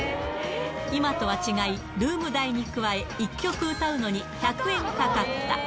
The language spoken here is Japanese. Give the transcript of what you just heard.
今とは違い、ルーム代に加え、１曲歌うのに１００円かかった。